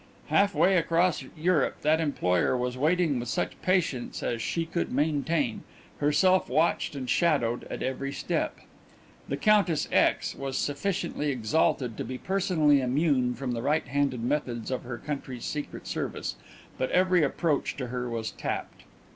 Half way across Europe that employer was waiting with such patience as she could maintain, herself watched and shadowed at every step. The Countess X. was sufficiently exalted to be personally immune from the high handed methods of her country's secret service, but every approach to her was tapped.